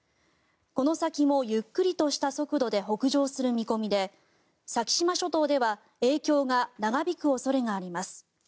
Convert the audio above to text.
この先もゆっくりとした速度で北上する見込みで先島諸島では影響が長引く恐れがあります。